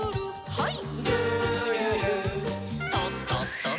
はい。